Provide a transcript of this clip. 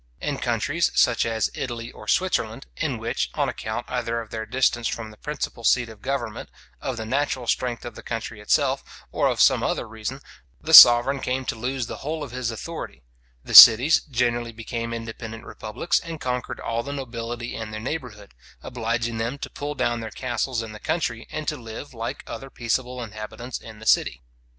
In countries such as Italy or Switzerland, in which, on account either of their distance from the principal seat of government, of the natural strength of the country itself, or of some other reason, the sovereign came to lose the whole of his authority; the cities generally became independent republics, and conquered all the nobility in their neighbourhood; obliging them to pull down their castles in the country, and to live, like other peaceable inhabitants, in the city.